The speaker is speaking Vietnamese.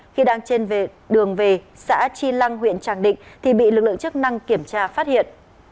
khi đang trên đường về xã chi lăng huyện tràng định thì bị lực lượng chức năng kiểm tra phát hiện